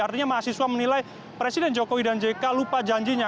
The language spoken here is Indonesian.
artinya mahasiswa menilai presiden jokowi dan jk lupa janjinya